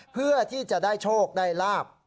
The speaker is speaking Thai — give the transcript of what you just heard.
เพื่อที่จะได้โชคได้ลาบ